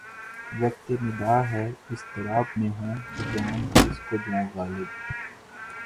وقت نِدا ہے اضطراب میں ہوں کہ جان کس کو دوں غالب